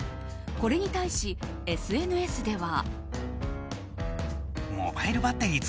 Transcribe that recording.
これに対し、ＳＮＳでは。